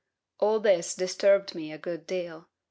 All this disturbed me a good deal.